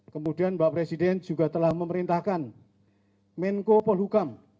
kemudian mbak presiden juga telah memerintahkan menko polhukam